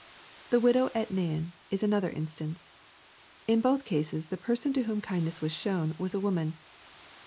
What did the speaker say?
The widow at Nain is another instance. In both "jases the person to whom kindness was shown, was a woman.